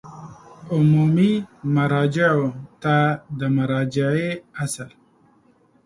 عمومي مراجعو ته د مراجعې اصل